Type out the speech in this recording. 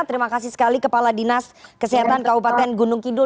terima kasih sekali kepala dinas kesehatan kabupaten gunung kidul